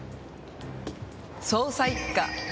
「捜査一課」